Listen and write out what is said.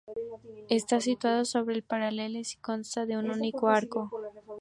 Está situado sobre el Perales y consta de un único arco.